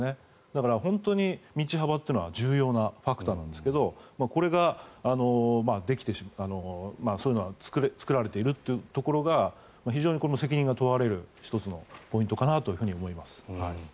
だから、本当に道幅というのは重要なファクターなんですけどそういうのが作られているところが非常に責任が問われる１つのポイントかなと思います。